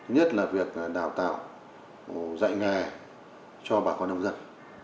nhất là việc đào tạo dạy nghề cho bà con nông dân